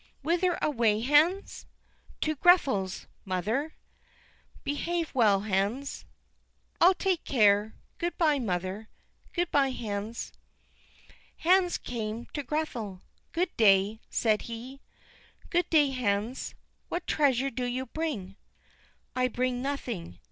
"Whither away, Hans?" "To Grethel's, mother." "Behave well, Hans." "I'll take care; good by, mother." "Good by, Hans." Hans came to Grethel. "Good day," said he. "Good day, Hans. What treasure do you bring?" "I bring nothing.